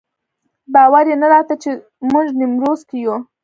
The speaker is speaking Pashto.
باور یې نه راته چې موږ نیمروز کې یو.